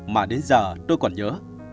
mà đến giờ tôi còn nhớ